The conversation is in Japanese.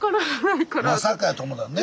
まさかやと思たんね。